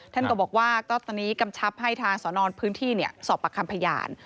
ท่านก็บอกว่าก็ตอนนี้กำชับให้ทางสอนอนพื้นที่สอบปากคำพยาน